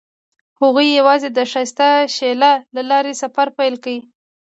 هغوی یوځای د ښایسته شعله له لارې سفر پیل کړ.